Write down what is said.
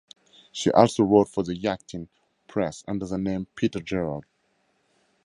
She also wrote for the yachting press under the name Peter Gerard.